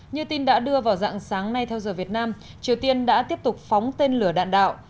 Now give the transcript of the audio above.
như tin đã đưa vào dạng sáng nay theo giờ việt nam triều tiên đã tiếp tục phóng tên lửa đạn đạo